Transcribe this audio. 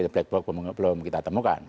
black box belum kita temukan